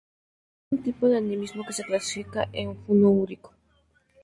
Es un tipo de animismo que se clasifica en Fino-Urico.